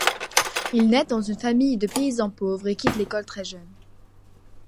Il nait dans une famille de paysans pauvres et quitte l'école très jeune.